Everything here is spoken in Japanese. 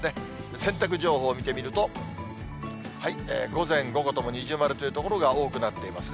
洗濯情報を見てみると、午前、午後とも二重丸という所が多くなっていますね。